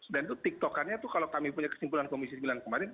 dan itu tiktokannya tuh kalau kami punya kesimpulan komisi sembilan kemarin